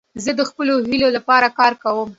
زه د خپلو هیلو له پاره کار کوم.